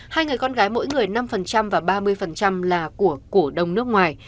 hai người con gái mỗi người năm và ba mươi là của cổ đông nước ngoài